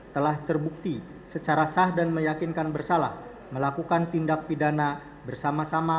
telah terbukti secara sah dan meyakinkan bersalah melakukan tindak pidana bersama sama